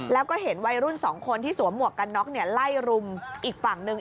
แล้วก็เห็นวัยรุ่นสองคนที่สวมหมวกกันน็อกไล่รุมอีกฝั่งหนึ่ง